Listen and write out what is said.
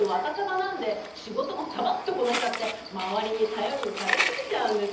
なんで仕事もサバっとこなしちゃって周りに頼りにされすぎちゃうんです。